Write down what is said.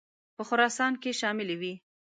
په خراسان کې شاملي وې.